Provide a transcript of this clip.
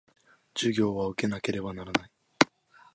授業は受けなければならない